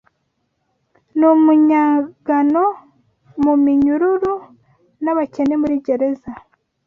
Numunyagano muminyururu, nabakene muri gereza